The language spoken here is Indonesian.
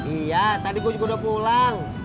iya tadi gue juga udah pulang